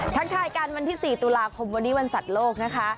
ทักทายกันวันที่๔ตุลาคมวันนี้วันสัตว์โลกนะคะ